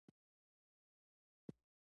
اوړی ولې ګرم وي؟